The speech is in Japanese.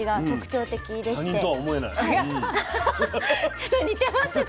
ちょっと似てますね